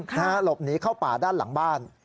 หลบหนีเข้าป่าด้านหลังบ้าน